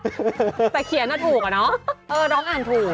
แต่เขียนว่าถูกเนอะน้องอ่านถูก